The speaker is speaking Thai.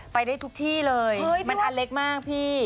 ไปได้ทุกที่เลยมันอันเล็กมากพี่